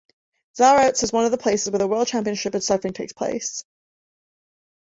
Zarautz is one of the places where the world championships in surfing takes place.